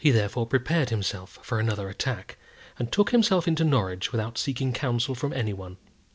He therefore prepared himself for another attack, and took himself into Norwich without seeking counsel from any one.